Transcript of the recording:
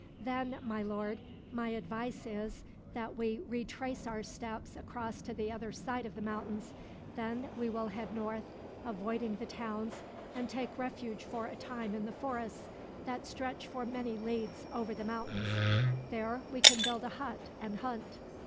"Then, my lord, my advice is, that we retrace our steps across to the other side of the mountains. Then we will head north, avoiding the towns, and take refuge for a time in the forests, that stretch for many leagues over the mountains. There we can build a hut and hunt.